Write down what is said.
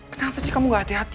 kenapa sih kamu gak hati hati